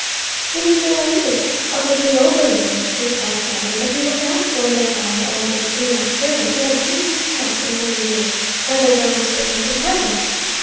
"It is related of the good Oberlin," replied Fanny, "that he was asked one day by an old female servant who had been in his house for many years, whether there were servants in heaven.